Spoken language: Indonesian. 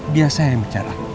biasa yang bicara